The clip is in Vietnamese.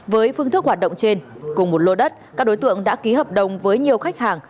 với phương thức hoạt động trên cùng một lô đất các đối tượng đã ký hợp đồng với nhiều khách hàng